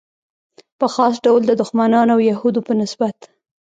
په خاص ډول د دښمنانو او یهودو په نسبت.